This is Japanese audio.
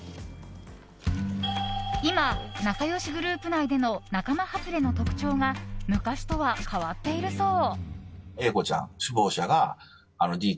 今、仲良しグループ内での仲間外れの特徴が昔とは変わっているそう。